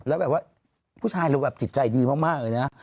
แล้วแบบว่าผู้ชายเราแบบจิตใจดีมากเลยนะ